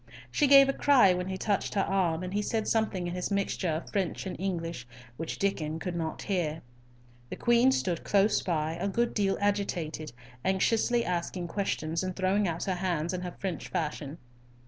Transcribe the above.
She gave a cry when he touched her arm, and he said something in his mixture of French and English, which Diccon could not hear. The Queen stood close by, a good deal agitated, anxiously asking questions, and throwing out her hands in her French fashion.